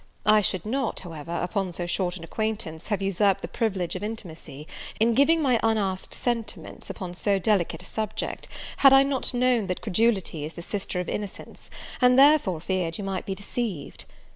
I should not, however, upon so short an acquaintance, have usurped the privilege of intimacy, in giving my unasked sentiments upon so delicate a subject, had I not known that credulity is the sister of innocence, and therefore feared you might be deceived.